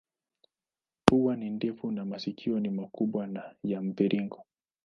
Pua ni ndefu na masikio ni makubwa na ya mviringo.